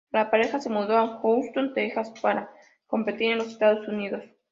La pareja se mudó a Houston, Texas para competir en los Estados Unidos.